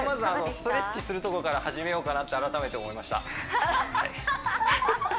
ストレッチするとこから始めようかなって改めて思いましたアハハッ！